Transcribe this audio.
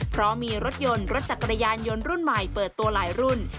เพราะมีรถยนต์รถจักรยานยนต์รุ่นใหม่เปิดตัวหลายรุ่น